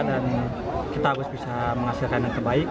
dan kita harus bisa menghasilkan yang terbaik